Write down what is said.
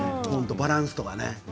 バランスとかね。